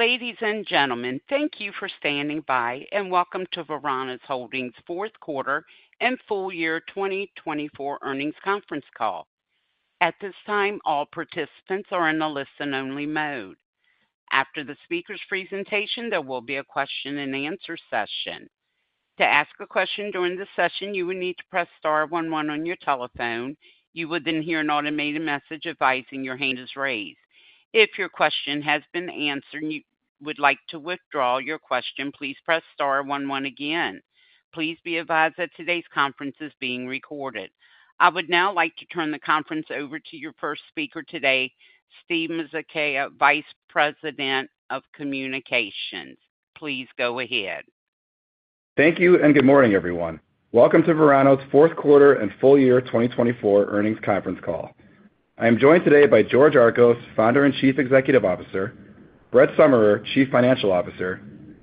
Ladies and gentlemen, thank you for standing by, and welcome to Verano Holdings' fourth quarter and full year 2024 earnings conference call. At this time, all participants are in a listen-only mode. After the speaker's presentation, there will be a question-and-answer session. To ask a question during the session, you will need to press star 11 on your telephone. You will then hear an automated message advising your hand is raised. If your question has been answered and you would like to withdraw your question, please press star 11 again. Please be advised that today's conference is being recorded. I would now like to turn the conference over to your first speaker today, Steve Mazeika, Vice President of Communications. Please go ahead. Thank you and good morning, everyone. Welcome to Verano's Fourth Quarter and Full Year 2024 Earnings Conference Call. I am joined today by George Archos, Founder and Chief Executive Officer, Brett Summerer, Chief Financial Officer,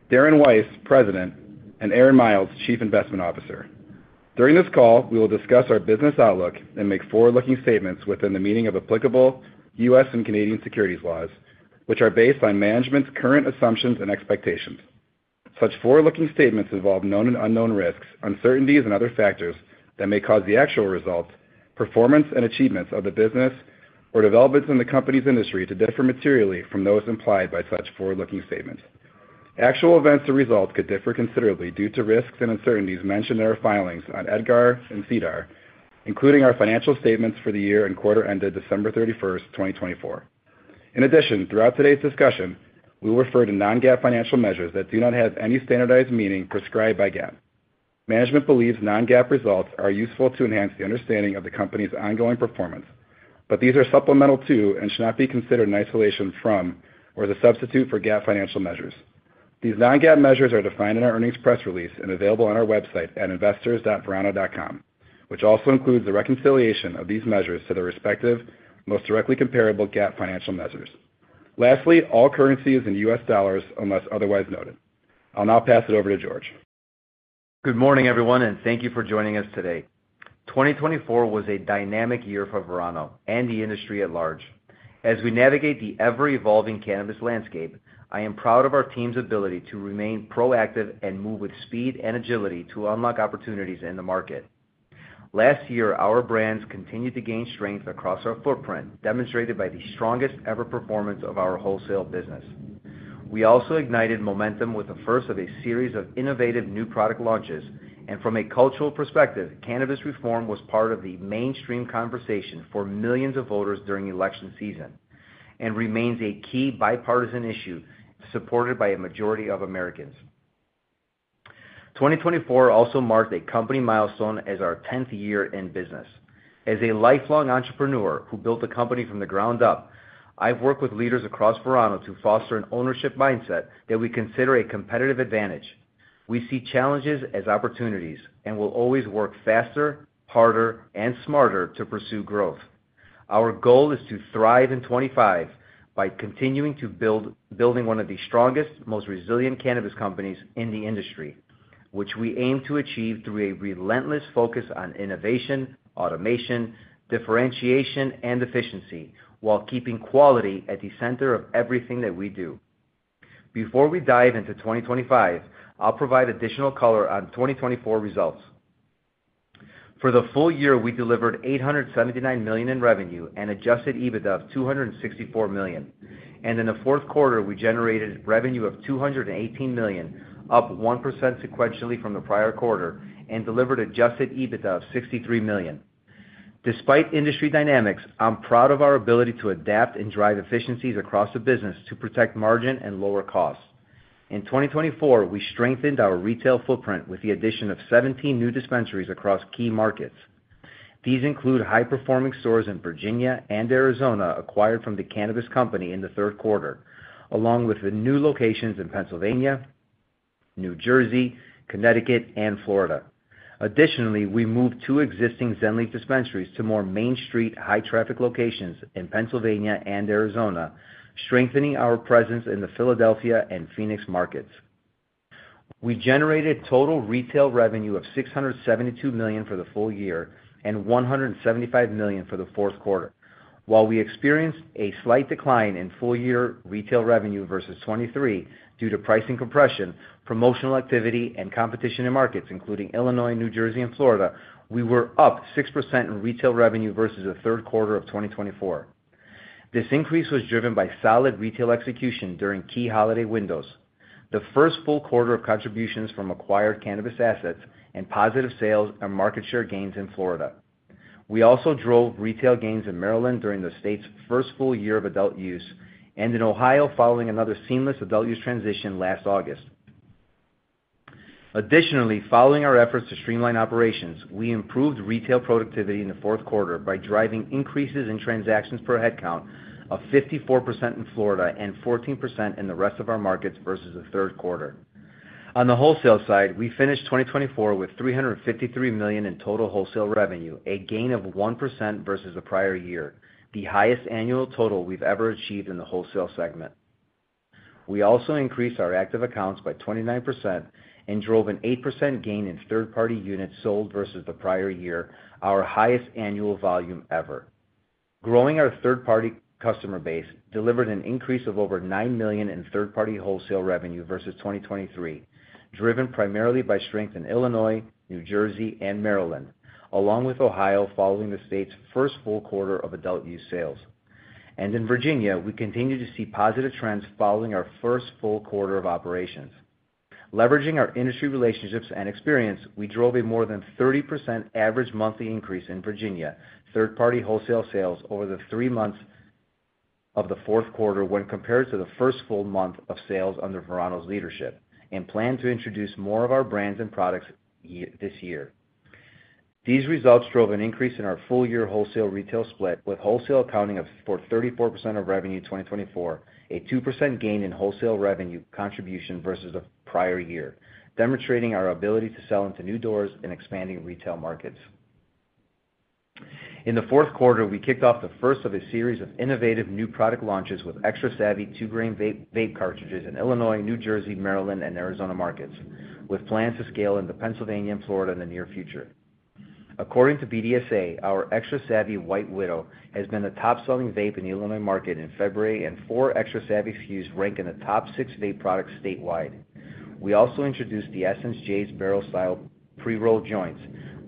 Darren Weiss, President, and Aaron Miles, Chief Investment Officer. During this call, we will discuss our business outlook and make forward-looking statements within the meaning of applicable U.S. and Canadian securities laws, which are based on management's current assumptions and expectations. Such forward-looking statements involve known and unknown risks, uncertainties, and other factors that may cause the actual results, performance, and achievements of the business or developments in the company's industry to differ materially from those implied by such forward-looking statements. Actual events and results could differ considerably due to risks and uncertainties mentioned in our filings on EDGAR and CEDAR, including our financial statements for the year and quarter ended December 31, 2024. In addition, throughout today's discussion, we will refer to non-GAAP financial measures that do not have any standardized meaning prescribed by GAAP. Management believes non-GAAP results are useful to enhance the understanding of the company's ongoing performance, but these are supplemental to and should not be considered in isolation from or the substitute for GAAP financial measures. These non-GAAP measures are defined in our earnings press release and available on our website at investors.verano.com, which also includes the reconciliation of these measures to their respective most directly comparable GAAP financial measures. Lastly, all currency is in U.S. dollars unless otherwise noted. I'll now pass it over to George. Good morning, everyone, and thank you for joining us today. 2024 was a dynamic year for Verano and the industry at large. As we navigate the ever-evolving cannabis landscape, I am proud of our team's ability to remain proactive and move with speed and agility to unlock opportunities in the market. Last year, our brands continued to gain strength across our footprint, demonstrated by the strongest-ever performance of our wholesale business. We also ignited momentum with the first of a series of innovative new product launches, and from a cultural perspective, cannabis reform was part of the mainstream conversation for millions of voters during election season and remains a key bipartisan issue supported by a majority of Americans. 2024 also marked a company milestone as our 10th year in business. As a lifelong entrepreneur who built the company from the ground up, I've worked with leaders across Verano to foster an ownership mindset that we consider a competitive advantage. We see challenges as opportunities and will always work faster, harder, and smarter to pursue growth. Our goal is to thrive in 2025 by continuing to build one of the strongest, most resilient cannabis companies in the industry, which we aim to achieve through a relentless focus on innovation, automation, differentiation, and efficiency while keeping quality at the center of everything that we do. Before we dive into 2025, I'll provide additional color on 2024 results. For the full year, we delivered $879 million in revenue and Adjusted EBITDA of $264 million, and in the fourth quarter, we generated revenue of $218 million, up 1% sequentially from the prior quarter, and delivered Adjusted EBITDA of $63 million. Despite industry dynamics, I'm proud of our ability to adapt and drive efficiencies across the business to protect margin and lower costs. In 2024, we strengthened our retail footprint with the addition of 17 new dispensaries across key markets. These include high-performing stores in Virginia and Arizona acquired from The Cannabist Company in the third quarter, along with the new locations in Pennsylvania, New Jersey, Connecticut, and Florida. Additionally, we moved two existing Zen Leaf dispensaries to more Main Street high-traffic locations in Pennsylvania and Arizona, strengthening our presence in the Philadelphia and Phoenix markets. We generated total retail revenue of $672 million for the full year and $175 million for the fourth quarter. While we experienced a slight decline in full-year retail revenue versus 2023 due to pricing compression, promotional activity, and competition in markets including Illinois, New Jersey, and Florida, we were up 6% in retail revenue versus the third quarter of 2024. This increase was driven by solid retail execution during key holiday windows, the first full quarter of contributions from acquired cannabis assets, and positive sales and market share gains in Florida. We also drove retail gains in Maryland during the state's first full year of adult use and in Ohio following another seamless adult use transition last August. Additionally, following our efforts to streamline operations, we improved retail productivity in the fourth quarter by driving increases in transactions per head count of 54% in Florida and 14% in the rest of our markets versus the third quarter. On the wholesale side, we finished 2024 with $353 million in total wholesale revenue, a gain of 1% versus the prior year, the highest annual total we've ever achieved in the wholesale segment. We also increased our active accounts by 29% and drove an 8% gain in third-party units sold versus the prior year, our highest annual volume ever. Growing our third-party customer base delivered an increase of over $9 million in third-party wholesale revenue versus 2023, driven primarily by strength in Illinois, New Jersey, and Maryland, along with Ohio following the state's first full quarter of adult use sales. In Virginia, we continue to see positive trends following our first full quarter of operations. Leveraging our industry relationships and experience, we drove a more than 30% average monthly increase in Virginia third-party wholesale sales over the three months of the fourth quarter when compared to the first full month of sales under Verano's leadership and plan to introduce more of our brands and products this year. These results drove an increase in our full-year wholesale retail split, with wholesale accounting for 34% of revenue in 2024, a 2% gain in wholesale revenue contribution versus the prior year, demonstrating our ability to sell into new doors and expanding retail markets. In the fourth quarter, we kicked off the first of a series of innovative new product launches with Extra Savvy 2-gram vape cartridges in Illinois, New Jersey, Maryland, and Arizona markets, with plans to scale into Pennsylvania and Florida in the near future. According to BDSA, our Extra Savvy White Widow has been the top-selling vape in the Illinois market in February, and four Extra Savvy SKUs rank in the top six vape products statewide. We also introduced the Essence J's barrel-style pre-roll joints,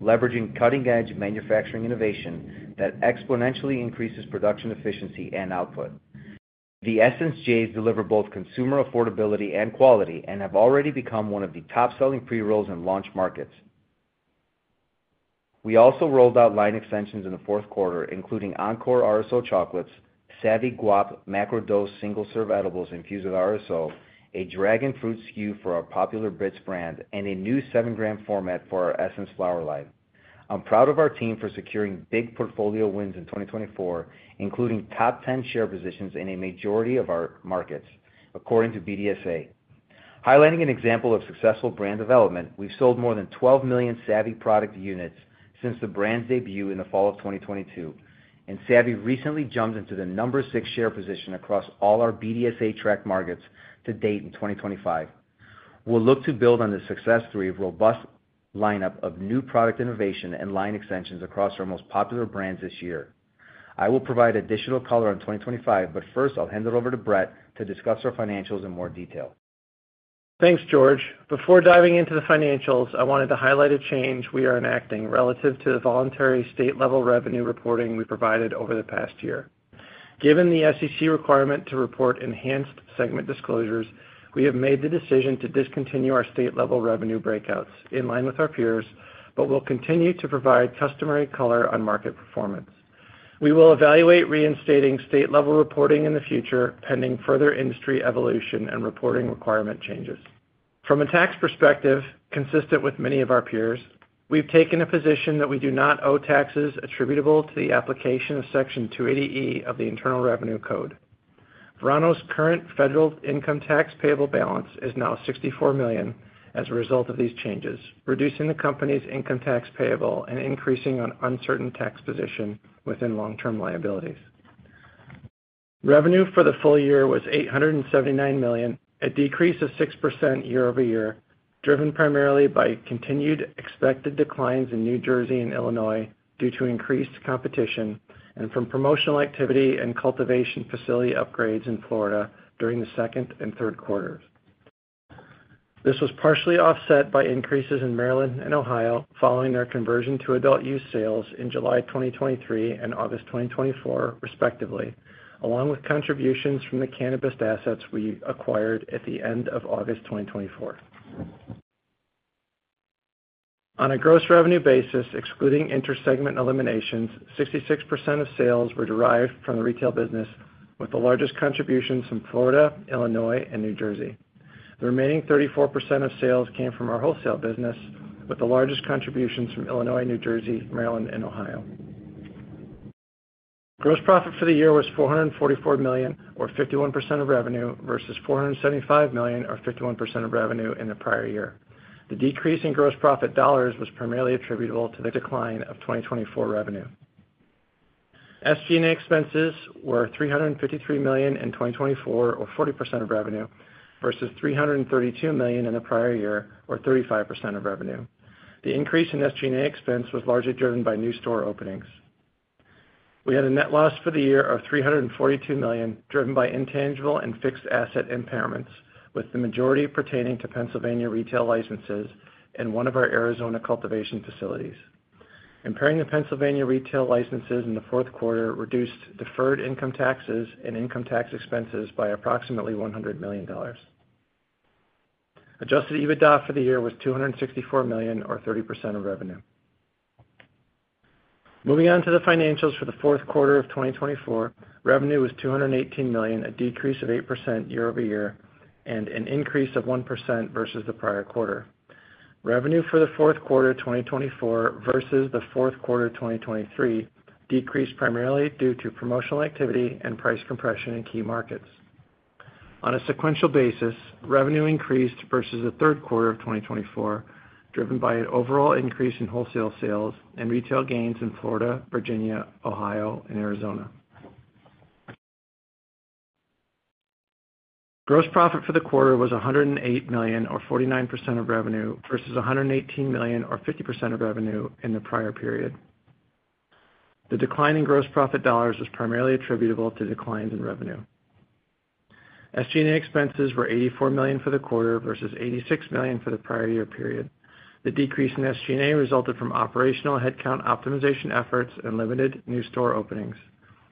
leveraging cutting-edge manufacturing innovation that exponentially increases production efficiency and output. The Essence J's deliver both consumer affordability and quality and have already become one of the top-selling pre-rolls in launch markets. We also rolled out line extensions in the fourth quarter, including Encore RSO chocolates, Savvy Guap macro-dose single-serve edibles infused with RSO, a dragon fruit SKU for our popular Bits brand, and a new seven-gram format for our Essence flower line. I'm proud of our team for securing big portfolio wins in 2024, including top 10 share positions in a majority of our markets, according to BDSA. Highlighting an example of successful brand development, we've sold more than 12 million Savvy product units since the brand's debut in the fall of 2022, and Savvy recently jumped into the number six share position across all our BDSA tracked markets to date in 2025. We'll look to build on the success story of a robust lineup of new product innovation and line extensions across our most popular brands this year. I will provide additional color on 2025, but first, I'll hand it over to Brett to discuss our financials in more detail. Thanks, George. Before diving into the financials, I wanted to highlight a change we are enacting relative to the voluntary state-level revenue reporting we provided over the past year. Given the SEC requirement to report enhanced segment disclosures, we have made the decision to discontinue our state-level revenue breakouts in line with our peers, but we'll continue to provide customary color on market performance. We will evaluate reinstating state-level reporting in the future, pending further industry evolution and reporting requirement changes. From a tax perspective, consistent with many of our peers, we've taken a position that we do not owe taxes attributable to the application of Section 280E of the Internal Revenue Code. Verano's current federal income tax payable balance is now $64 million as a result of these changes, reducing the company's income tax payable and increasing our uncertain tax position within long-term liabilities. Revenue for the full year was $879 million, a decrease of 6% year over year, driven primarily by continued expected declines in New Jersey and Illinois due to increased competition and from promotional activity and cultivation facility upgrades in Florida during the second and third quarters. This was partially offset by increases in Maryland and Ohio following their conversion to adult use sales in July 2023 and August 2024, respectively, along with contributions from the cannabis assets we acquired at the end of August 2024. On a gross revenue basis, excluding inter-segment eliminations, 66% of sales were derived from the retail business, with the largest contributions from Florida, Illinois, and New Jersey. The remaining 34% of sales came from our wholesale business, with the largest contributions from Illinois, New Jersey, Maryland, and Ohio. Gross profit for the year was $444 million, or 51% of revenue, versus $475 million, or 51% of revenue in the prior year. The decrease in gross profit dollars was primarily attributable to the decline of 2024 revenue. SG&A expenses were $353 million in 2024, or 40% of revenue, versus $332 million in the prior year, or 35% of revenue. The increase in SG&A expense was largely driven by new store openings. We had a net loss for the year of $342 million, driven by intangible and fixed asset impairments, with the majority pertaining to Pennsylvania retail licenses and one of our Arizona cultivation facilities. Impairing the Pennsylvania retail licenses in the fourth quarter reduced deferred income taxes and income tax expenses by approximately $100 million. Adjusted EBITDA for the year was $264 million, or 30% of revenue. Moving on to the financials for the fourth quarter of 2024, revenue was $218 million, a decrease of 8% year over year, and an increase of 1% versus the prior quarter. Revenue for the fourth quarter of 2024 versus the fourth quarter of 2023 decreased primarily due to promotional activity and price compression in key markets. On a sequential basis, revenue increased versus the third quarter of 2024, driven by an overall increase in wholesale sales and retail gains in Florida, Virginia, Ohio, and Arizona. Gross profit for the quarter was $108 million, or 49% of revenue, versus $118 million, or 50% of revenue in the prior period. The decline in gross profit dollars was primarily attributable to declines in revenue. SG&A expenses were $84 million for the quarter versus $86 million for the prior year period. The decrease in SG&A resulted from operational headcount optimization efforts and limited new store openings.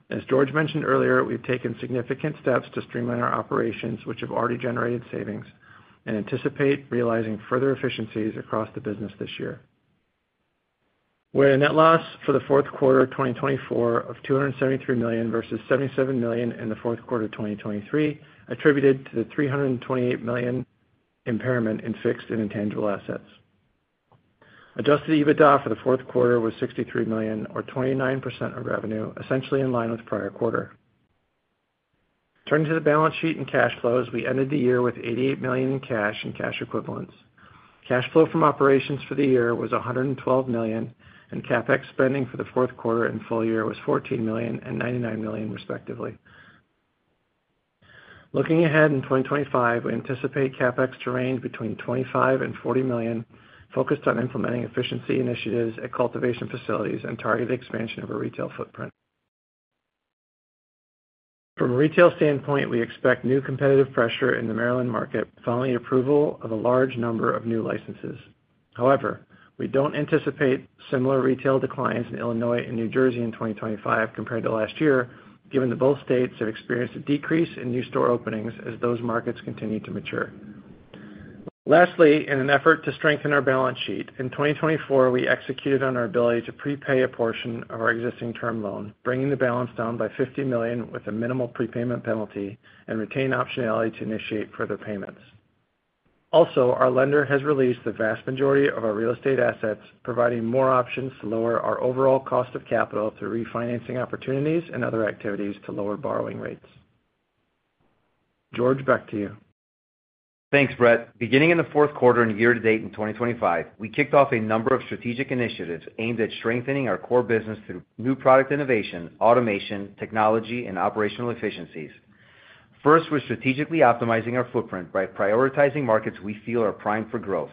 As George mentioned earlier, we've taken significant steps to streamline our operations, which have already generated savings, and anticipate realizing further efficiencies across the business this year. We had a net loss for the fourth quarter of 2024 of $273 million versus $77 million in the fourth quarter of 2023, attributed to the $328 million impairment in fixed and intangible assets. Adjusted EBITDA for the fourth quarter was $63 million, or 29% of revenue, essentially in line with the prior quarter. Turning to the balance sheet and cash flows, we ended the year with $88 million in cash and cash equivalents. Cash flow from operations for the year was $112 million, and CapEx spending for the fourth quarter and full year was $14 million and $99 million, respectively. Looking ahead in 2025, we anticipate CapEx to range between $25 and $40 million, focused on implementing efficiency initiatives at cultivation facilities and targeted expansion of our retail footprint. From a retail standpoint, we expect new competitive pressure in the Maryland market following the approval of a large number of new licenses. However, we don't anticipate similar retail declines in Illinois and New Jersey in 2025 compared to last year, given that both states have experienced a decrease in new store openings as those markets continue to mature. Lastly, in an effort to strengthen our balance sheet, in 2024, we executed on our ability to prepay a portion of our existing term loan, bringing the balance down by $50 million with a minimal prepayment penalty and retained optionality to initiate further payments. Also, our lender has released the vast majority of our real estate assets, providing more options to lower our overall cost of capital through refinancing opportunities and other activities to lower borrowing rates. George, back to you. Thanks, Brett. Beginning in the fourth quarter and year to date in 2025, we kicked off a number of strategic initiatives aimed at strengthening our core business through new product innovation, automation, technology, and operational efficiencies. First, we're strategically optimizing our footprint by prioritizing markets we feel are primed for growth.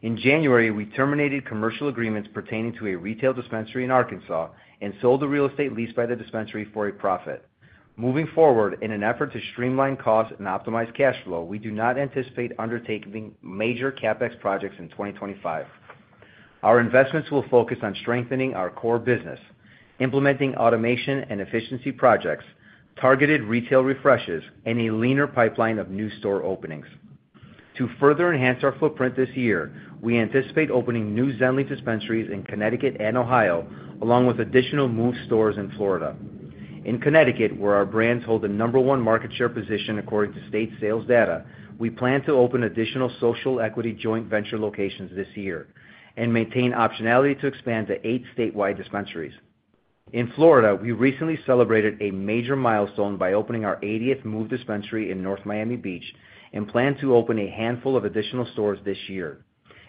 In January, we terminated commercial agreements pertaining to a retail dispensary in Arkansas and sold the real estate leased by the dispensary for a profit. Moving forward, in an effort to streamline costs and optimize cash flow, we do not anticipate undertaking major CapEx projects in 2025. Our investments will focus on strengthening our core business, implementing automation and efficiency projects, targeted retail refreshes, and a leaner pipeline of new store openings. To further enhance our footprint this year, we anticipate opening new Zen Leaf dispensaries in Connecticut and Ohio, along with additional MÜV stores in Florida. In Connecticut, where our brands hold the number one market share position according to state sales data, we plan to open additional social equity joint venture locations this year and maintain optionality to expand to eight statewide dispensaries. In Florida, we recently celebrated a major milestone by opening our 80th MÜV dispensary in North Miami Beach and plan to open a handful of additional stores this year.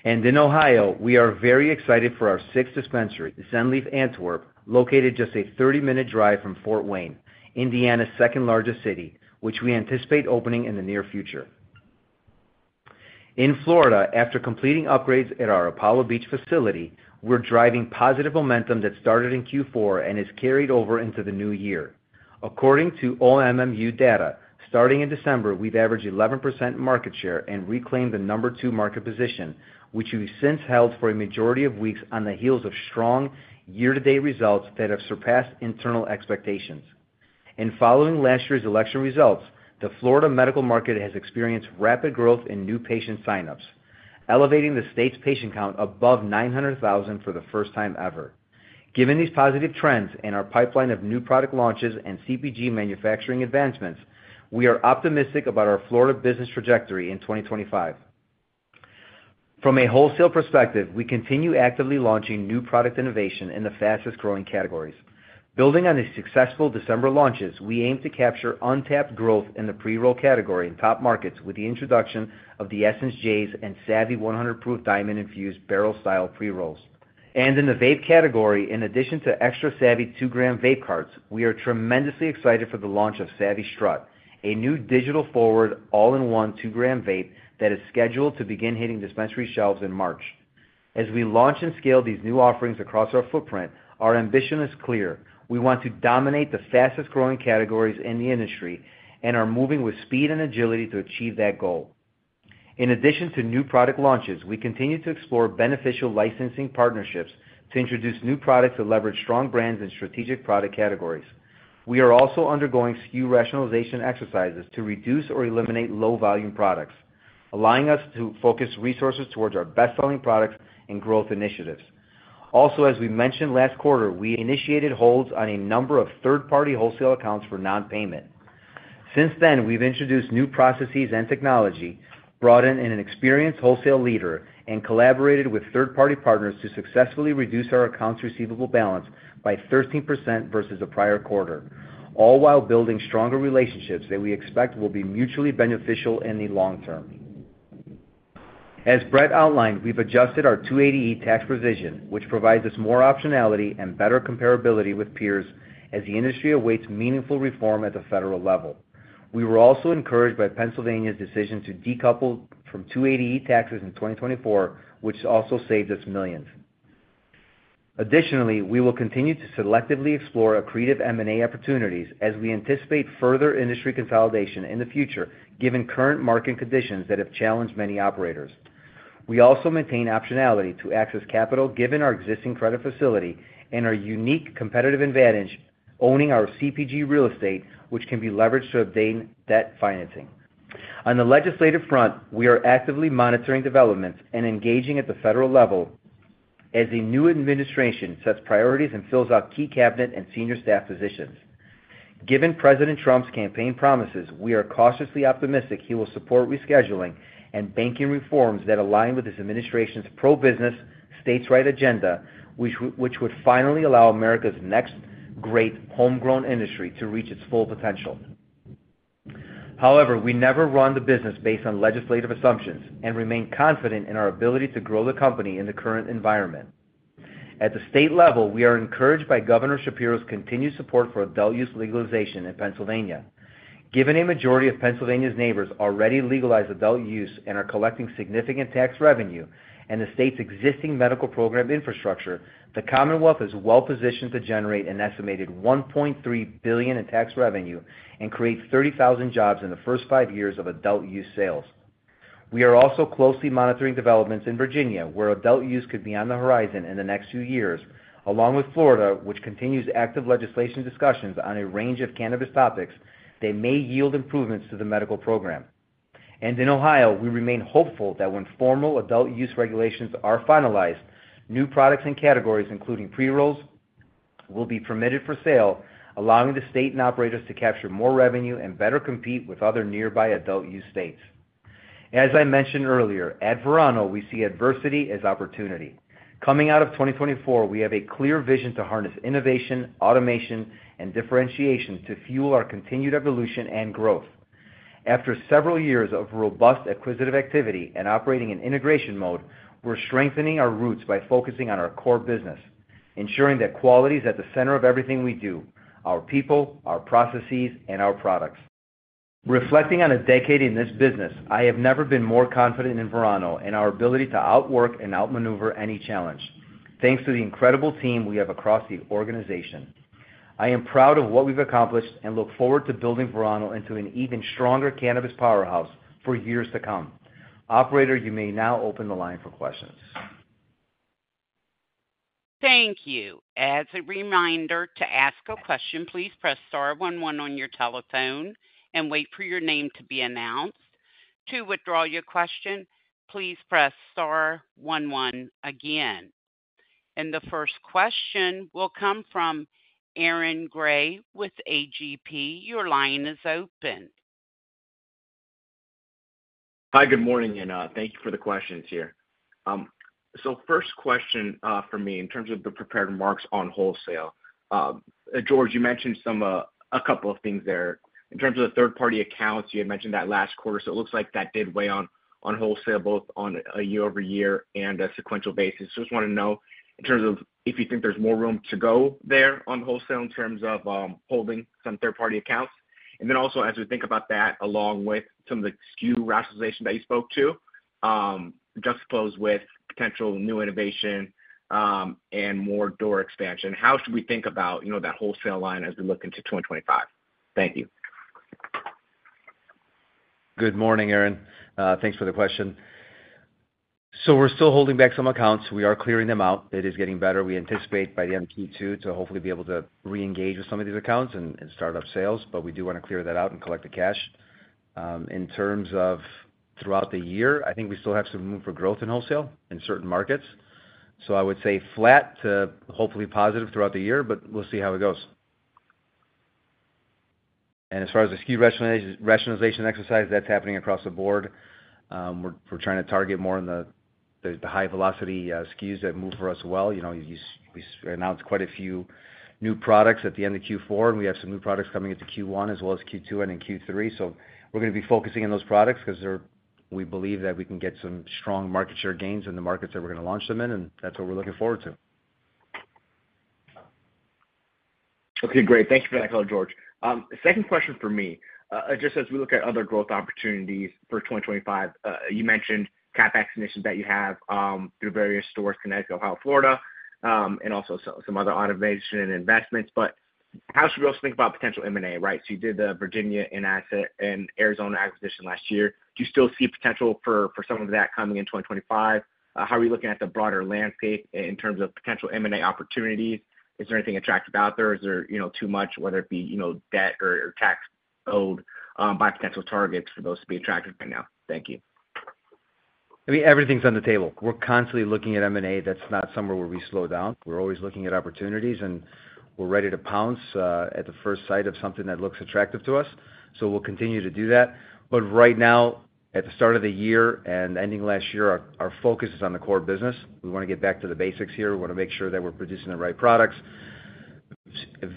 And in Ohio, we are very excited for our sixth dispensary, Zen Leaf Antwerp, located just a 30-minute drive from Fort Wayne, Indiana's second-largest city, which we anticipate opening in the near future. In Florida, after completing upgrades at our Apollo Beach facility, we're driving positive momentum that started in Q4 and has carried over into the new year. According to OMMU data, starting in December, we've averaged 11% market share and reclaimed the number two market position, which we've since held for a majority of weeks on the heels of strong year-to-date results that have surpassed internal expectations. Following last year's election results, the Florida medical market has experienced rapid growth in new patient signups, elevating the state's patient count above 900,000 for the first time ever. Given these positive trends and our pipeline of new product launches and CPG manufacturing advancements, we are optimistic about our Florida business trajectory in 2025. From a wholesale perspective, we continue actively launching new product innovation in the fastest-growing categories. Building on the successful December launches, we aim to capture untapped growth in the pre-roll category in top markets with the introduction of the Essence J's and Savvy 100-Proof diamond-infused barrel-style pre-rolls. And in the vape category, in addition to Extra Savvy 2-gram vape carts, we are tremendously excited for the launch of Savvy Stü, a new digital forward all-in-one 2-gram vape that is scheduled to begin hitting dispensary shelves in March. As we launch and scale these new offerings across our footprint, our ambition is clear. We want to dominate the fastest-growing categories in the industry and are moving with speed and agility to achieve that goal. In addition to new product launches, we continue to explore beneficial licensing partnerships to introduce new products that leverage strong brands in strategic product categories. We are also undergoing SKU rationalization exercises to reduce or eliminate low-volume products, allowing us to focus resources towards our best-selling products and growth initiatives. Also, as we mentioned last quarter, we initiated holds on a number of third-party wholesale accounts for non-payment. Since then, we've introduced new processes and technology, brought in an experienced wholesale leader, and collaborated with third-party partners to successfully reduce our accounts receivable balance by 13% versus the prior quarter, all while building stronger relationships that we expect will be mutually beneficial in the long term. As Brett outlined, we've adjusted our 280E tax provision, which provides us more optionality and better comparability with peers as the industry awaits meaningful reform at the federal level. We were also encouraged by Pennsylvania's decision to decouple from 280E taxes in 2024, which also saved us millions. Additionally, we will continue to selectively explore accretive M&A opportunities as we anticipate further industry consolidation in the future, given current market conditions that have challenged many operators. We also maintain optionality to access capital given our existing credit facility and our unique competitive advantage owning our CPG real estate, which can be leveraged to obtain debt financing. On the legislative front, we are actively monitoring developments and engaging at the federal level as the new administration sets priorities and fills out key cabinet and senior staff positions. Given President Trump's campaign promises, we are cautiously optimistic he will support rescheduling and banking reforms that align with his administration's pro-business, states' rights agenda, which would finally allow America's next great homegrown industry to reach its full potential. However, we never run the business based on legislative assumptions and remain confident in our ability to grow the company in the current environment. At the state level, we are encouraged by Governor Shapiro's continued support for adult-use legalization in Pennsylvania. Given a majority of Pennsylvania's neighbors already legalized adult use and are collecting significant tax revenue and the state's existing medical program infrastructure, the Commonwealth is well-positioned to generate an estimated $1.3 billion in tax revenue and create 30,000 jobs in the first five years of adult use sales. We are also closely monitoring developments in Virginia, where adult use could be on the horizon in the next few years, along with Florida, which continues active legislation discussions on a range of cannabis topics that may yield improvements to the medical program, and in Ohio, we remain hopeful that when formal adult use regulations are finalized, new products and categories, including pre-rolls, will be permitted for sale, allowing the state and operators to capture more revenue and better compete with other nearby adult use states. As I mentioned earlier, at Verano, we see adversity as opportunity. Coming out of 2024, we have a clear vision to harness innovation, automation, and differentiation to fuel our continued evolution and growth. After several years of robust acquisitive activity and operating in integration mode, we're strengthening our roots by focusing on our core business, ensuring that quality is at the center of everything we do: our people, our processes, and our products. Reflecting on a decade in this business, I have never been more confident in Verano and our ability to outwork and outmaneuver any challenge, thanks to the incredible team we have across the organization. I am proud of what we've accomplished and look forward to building Verano into an even stronger cannabis powerhouse for years to come. Operator, you may now open the line for questions. Thank you. As a reminder to ask a question, please press star 11 on your telephone and wait for your name to be announced. To withdraw your question, please press star 11 again. And the first question will come from Aaron Gray with AGP. Your line is open. Hi, good morning, and thank you for the questions here. So first question for me in terms of the prepared remarks on wholesale. George, you mentioned a couple of things there. In terms of the third-party accounts, you had mentioned that last quarter, so it looks like that did weigh on wholesale both on a year-over-year and a sequential basis. Just want to know in terms of if you think there's more room to go there on wholesale in terms of holding some third-party accounts. And then also, as we think about that, along with some of the SKU rationalization that you spoke to, juxtaposed with potential new innovation and more door expansion, how should we think about that wholesale line as we look into 2025? Thank you. Good morning, Aaron. Thanks for the question. So we're still holding back some accounts. We are clearing them out. It is getting better. We anticipate by the end of Q2 to hopefully be able to re-engage with some of these accounts and start up sales, but we do want to clear that out and collect the cash. In terms of throughout the year, I think we still have some room for growth in wholesale in certain markets. So I would say flat to hopefully positive throughout the year, but we'll see how it goes. And as far as the SKU rationalization exercise, that's happening across the board. We're trying to target more in the high-velocity SKUs that move for us well. We announced quite a few new products at the end of Q4, and we have some new products coming into Q1 as well as Q2 and in Q3. We're going to be focusing on those products because we believe that we can get some strong market share gains in the markets that we're going to launch them in, and that's what we're looking forward to. Okay, great. Thank you for that call, George. Second question for me, just as we look at other growth opportunities for 2025, you mentioned CapEx initiatives that you have through various stores, Connecticut, Ohio, Florida, and also some other automation and investments. But how should we also think about potential M&A, right? So you did the Virginia and Arizona acquisition last year. Do you still see potential for some of that coming in 2025? How are you looking at the broader landscape in terms of potential M&A opportunities? Is there anything attractive out there? Is there too much, whether it be debt or tax owed by potential targets for those to be attractive right now? Thank you. I mean, everything's on the table. We're constantly looking at M&A. That's not somewhere where we slow down. We're always looking at opportunities, and we're ready to pounce at the first sight of something that looks attractive to us. So we'll continue to do that. But right now, at the start of the year and ending last year, our focus is on the core business. We want to get back to the basics here. We want to make sure that we're producing the right products.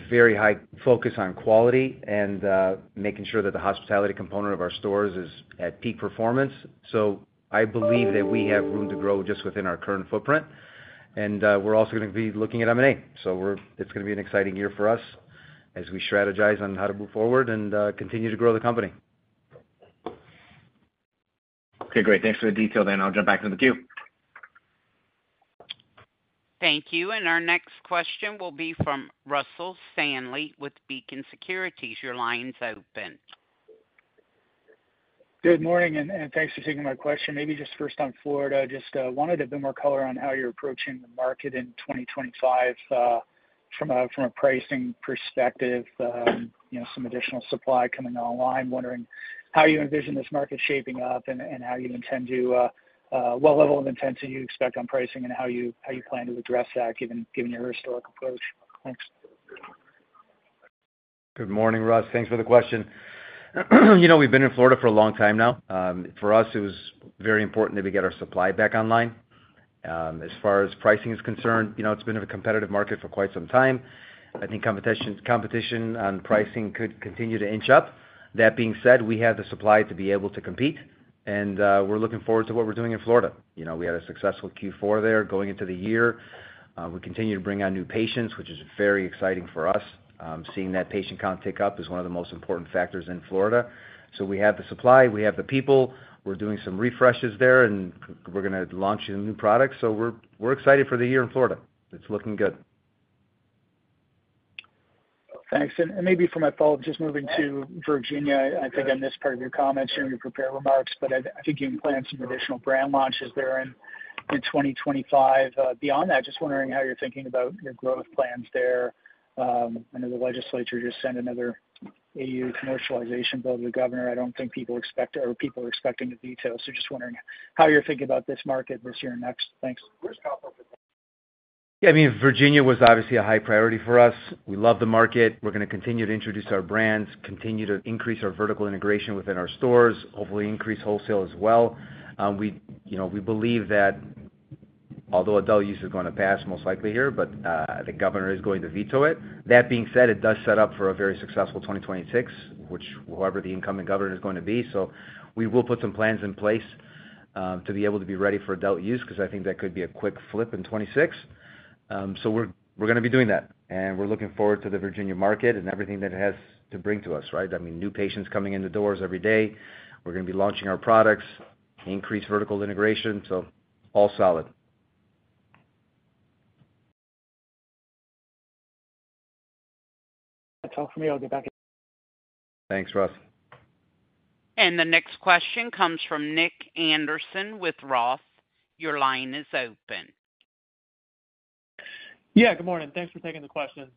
Very high focus on quality and making sure that the hospitality component of our stores is at peak performance. So I believe that we have room to grow just within our current footprint. And we're also going to be looking at M&A. It's going to be an exciting year for us as we strategize on how to move forward and continue to grow the company. Okay, great. Thanks for the detail then. I'll jump back into the queue. Thank you. And our next question will be from Russell Stanley with Beacon Securities. Your line is open. Good morning, and thanks for taking my question. Maybe just first on Florida, just wanted a bit more color on how you're approaching the market in 2025 from a pricing perspective, some additional supply coming online, wondering how you envision this market shaping up and how you intend to what level of intensity you expect on pricing and how you plan to address that given your historic approach? Thanks. Good morning, Russ. Thanks for the question. We've been in Florida for a long time now. For us, it was very important that we get our supply back online. As far as pricing is concerned, it's been a competitive market for quite some time. I think competition on pricing could continue to inch up. That being said, we have the supply to be able to compete, and we're looking forward to what we're doing in Florida. We had a successful Q4 there going into the year. We continue to bring on new patients, which is very exciting for us. Seeing that patient count tick up is one of the most important factors in Florida. So we have the supply. We have the people. We're doing some refreshes there, and we're going to launch some new products. So we're excited for the year in Florida. It's looking good. Thanks. And maybe for my follow-up, just moving to Virginia. I think I missed part of your comments in your prepared remarks, but I think you can plan some additional brand launches there in 2025. Beyond that, just wondering how you're thinking about your growth plans there. I know the legislature just sent another AU commercialization bill to the governor. I don't think people expect or people are expecting the details. So just wondering how you're thinking about this market this year and next. Thanks. Yeah, I mean, Virginia was obviously a high priority for us. We love the market. We're going to continue to introduce our brands, continue to increase our vertical integration within our stores, hopefully increase wholesale as well. We believe that although adult use is going to pass most likely here, but the governor is going to veto it. That being said, it does set up for a very successful 2026, which whoever the incoming governor is going to be. So we will put some plans in place to be able to be ready for adult use because I think that could be a quick flip in 2026. So we're going to be doing that. And we're looking forward to the Virginia market and everything that it has to bring to us, right? I mean, new patients coming in the doors every day. We're going to be launching our products, increase vertical integration. So all solid. That's all from me. I'll get back at you. Thanks, Russ. The next question comes from Nick Anderson with Roth. Your line is open. Yeah, good morning. Thanks for taking the questions.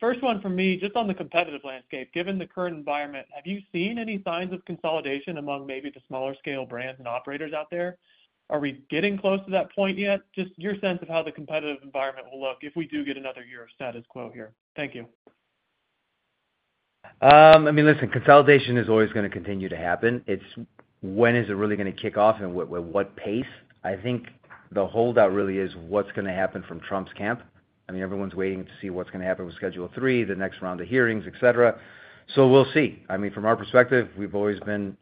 First one from me, just on the competitive landscape. Given the current environment, have you seen any signs of consolidation among maybe the smaller-scale brands and operators out there? Are we getting close to that point yet? Just your sense of how the competitive environment will look if we do get another year of status quo here. Thank you. I mean, listen, consolidation is always going to continue to happen. When is it really going to kick off and with what pace? I think the holdout really is what's going to happen from Trump's camp. I mean, everyone's waiting to see what's going to happen with Schedule III, the next round of hearings, etc. So we'll see. I mean, from our perspective, we've always been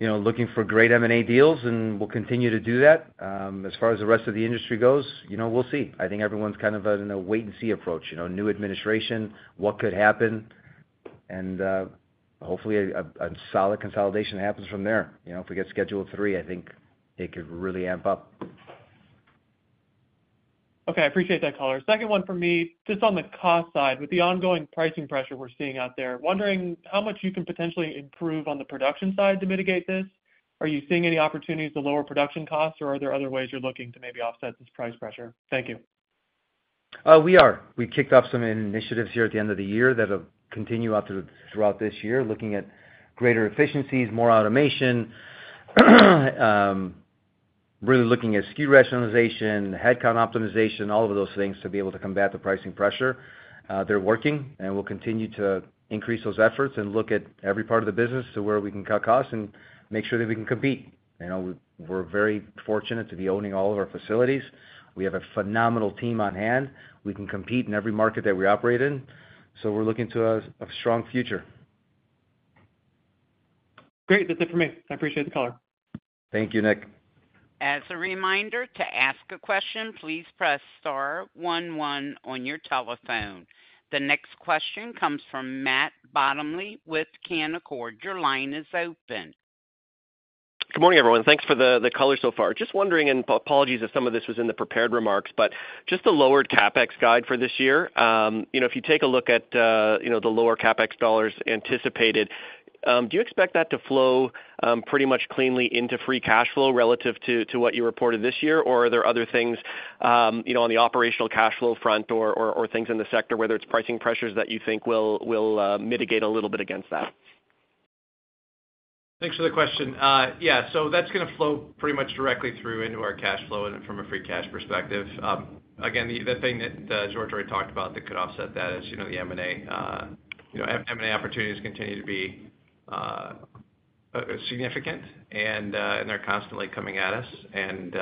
looking for great M&A deals, and we'll continue to do that. As far as the rest of the industry goes, we'll see. I think everyone's kind of in a wait-and-see approach. New administration, what could happen, and hopefully, a solid consolidation happens from there. If we get Schedule III, I think it could really amp up. Okay, I appreciate that, Caller. Second one for me, just on the cost side, with the ongoing pricing pressure we're seeing out there, wondering how much you can potentially improve on the production side to mitigate this. Are you seeing any opportunities to lower production costs, or are there other ways you're looking to maybe offset this price pressure? Thank you. We are. We kicked off some initiatives here at the end of the year that will continue throughout this year, looking at greater efficiencies, more automation, really looking at SKU rationalization, headcount optimization, all of those things to be able to combat the pricing pressure. They're working, and we'll continue to increase those efforts and look at every part of the business to where we can cut costs and make sure that we can compete. We're very fortunate to be owning all of our facilities. We have a phenomenal team on hand. We can compete in every market that we operate in. So we're looking to a strong future. Great. That's it for me. I appreciate the caller. Thank you, Nick. As a reminder, to ask a question, please press star 11 on your telephone. The next question comes from Matt Bottomley with Canaccord. Your line is open. Good morning, everyone. Thanks for the color so far. Just wondering, and apologies if some of this was in the prepared remarks, but just the lowered CapEx guide for this year. If you take a look at the lower CapEx dollars anticipated, do you expect that to flow pretty much cleanly into free cash flow relative to what you reported this year, or are there other things on the operational cash flow front or things in the sector, whether it's pricing pressures that you think will mitigate a little bit against that? Thanks for the question. Yeah, so that's going to flow pretty much directly through into our cash flow from a free cash perspective. Again, the thing that George already talked about that could offset that is the M&A. M&A opportunities continue to be significant, and they're constantly coming at us. And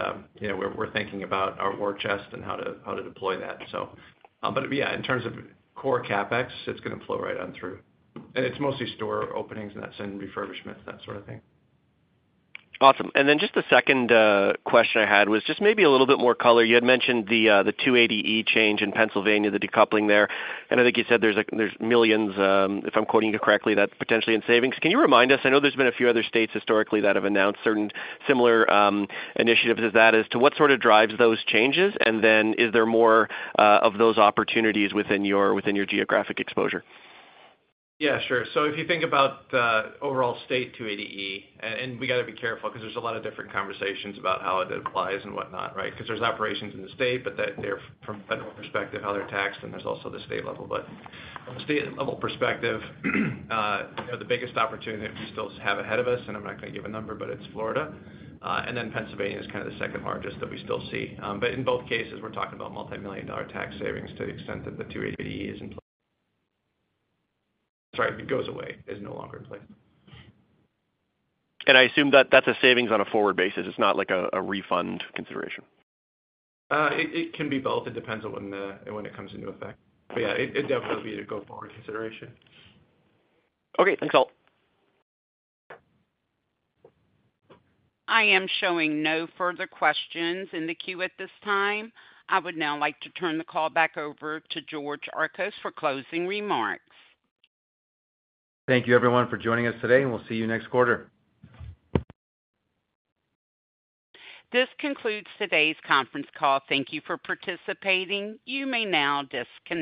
we're thinking about our war chest and how to deploy that. But yeah, in terms of core CapEx, it's going to flow right on through. And it's mostly store openings and refurbishments, that sort of thing. Awesome. And then just the second question I had was just maybe a little bit more color. You had mentioned the 280E change in Pennsylvania, the decoupling there. And I think you said there's millions, if I'm quoting you correctly, that's potentially in savings. Can you remind us? I know there's been a few other states historically that have announced certain similar initiatives as that. As to what sort of drives those changes? And then is there more of those opportunities within your geographic exposure? Yeah, sure. So if you think about the overall state 280E, and we got to be careful because there's a lot of different conversations about how it applies and whatnot, right? Because there's operations in the state, but from a federal perspective, how they're taxed, and there's also the state level. But from a state level perspective, the biggest opportunity that we still have ahead of us, and I'm not going to give a number, but it's Florida. And then Pennsylvania is kind of the second largest that we still see. But in both cases, we're talking about multimillion-dollar tax savings to the extent that the 280E is in place. Sorry, if it goes away, it's no longer in place. I assume that that's a savings on a forward basis. It's not like a refund consideration. It can be both. It depends on when it comes into effect. But yeah, it definitely will be a go forward consideration. Okay, thanks all. I am showing no further questions in the queue at this time. I would now like to turn the call back over to George Archos for closing remarks. Thank you, everyone, for joining us today, and we'll see you next quarter. This concludes today's conference call. Thank you for participating. You may now disconnect.